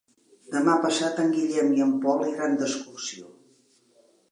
Demà passat en Guillem i en Pol iran d'excursió.